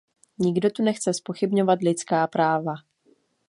Nikdo tu nechce zpochybňovat lidská práva.